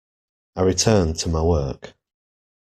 I returned to my work.